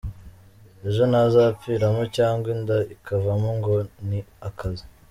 Ejo ntazapfiramo cyangwa inda ikavamo ngo ni akazi".